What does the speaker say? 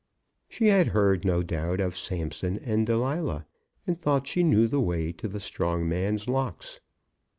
She had heard, no doubt, of Samson and Delilah, and thought she knew the way to the strong man's locks.